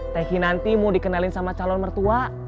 teh hinanti mau dikenalin sama calon mertua